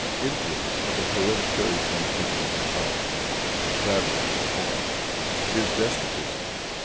Influence of the Hereditary Transmission of Power. Extravagance of Paul. His Despotism.